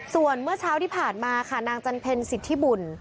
ส่วนเมื่อเช้าที่ผ่านมาค่ะนางจันเพ็ญสิทธิบุญ